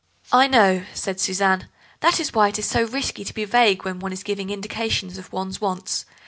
'" "I know," said Suzanne; "that is why it is so risky to be vague when one is giving indications of one's wants.